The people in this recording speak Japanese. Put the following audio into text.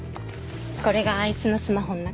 これがあいつのスマホの中。